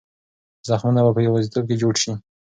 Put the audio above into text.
زخمونه به په یوازیتوب کې جوړ شي.